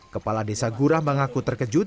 kepala desa gurah mengaku terkejut